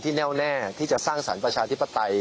แน่วแน่ที่จะสร้างสรรค์ประชาธิปไตย